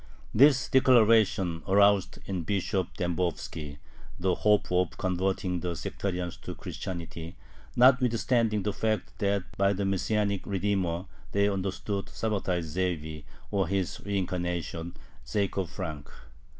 This declaration aroused in Bishop Dembovski the hope of converting the sectarians to Christianity, notwithstanding the fact that by the "Messianic Redeemer" they understood Sabbatai Zevi, or his reincarnation, Jacob Frank.